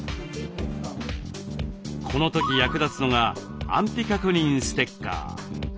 この時役立つのが安否確認ステッカー。